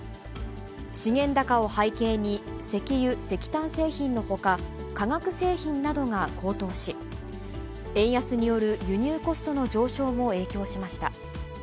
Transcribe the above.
資源高を背景に、石油・石炭製品のほか、化学製品などが高騰し、円安による輸入コストの上昇も影響しました。